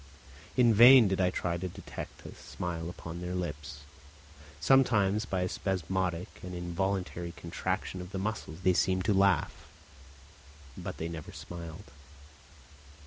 In vain did I try to detect a smile upon their lips; sometimes by a spasmodic and involuntary contraction of the muscles they seemed to laugh, but they never smiled.